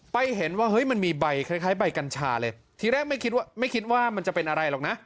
ไปเห็นว่ามันมีใบคล้ายใบกัญชาเลยทีแรกไม่คิดว่ามันจะเป็นอะไรหรอกนะ